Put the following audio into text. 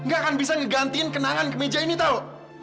gak akan bisa ngegantiin kenangan kemeja ini tau